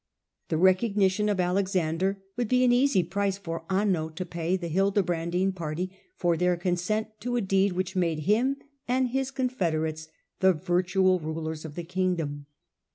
The recognition of Alexander would be an easy price for Anno to pay the Hildebrandine party for their consent to a deed which made him and his confederates the virtual rulers of the kingdom.